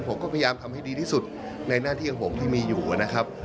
ผมก็พยายามทำให้ดีที่สุดในหน้าที่ของผมที่มีอยู่นะครับ